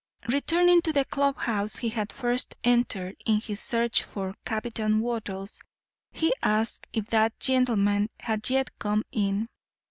Returning to the club house he had first entered in his search for Captain Wattles, he asked if that gentleman had yet come in.